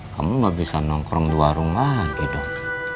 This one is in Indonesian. kamu gak bisa nongkrong dua rumah lagi dong